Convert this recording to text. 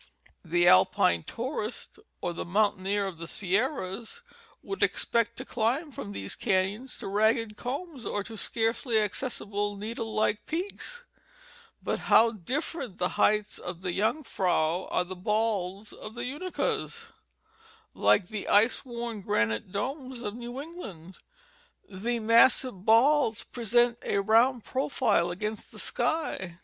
The Alpine tourist or the mountaineer of the Sierras would ex pect to climb from these caiions to ragged combs or to scarcely accessible needle like peaks. But how different from the heights of the Jungfrau are the "balds" of the Unakas! like the ice worn granite domes of New England, the massive balds present a rounded profile against the sky.